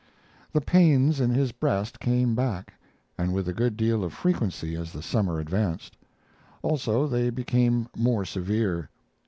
The pains in his breast came back, and with a good deal of frequency as the summer advanced; also, they became more severe.